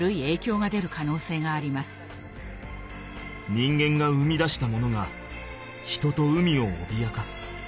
人間が生み出したものが人と海をおびやかす。